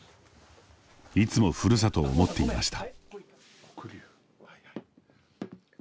いつも、ふるさとを思っていました。